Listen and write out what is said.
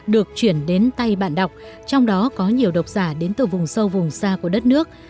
được chuyển đến tay bạn đọc trong đó có nhiều độc giả đến từ vùng sâu vùng xa của đất nước